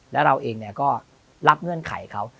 แล้วเราเองก็รับเงื่อนไขเขา